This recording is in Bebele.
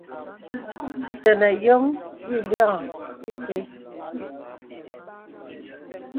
Tənə yɔ̄m yì lìkgaŋ ìtə.